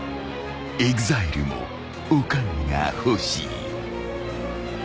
［ＥＸＩＬＥもお金が欲しい］